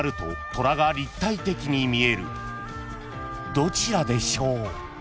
［どちらでしょう？］